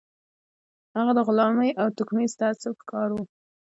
هغه د غلامۍ او توکميز تعصب ښکار و.